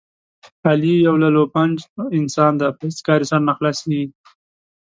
علي یو للوپنجو انسان دی، په هېڅ کار یې سر نه خلاصېږي.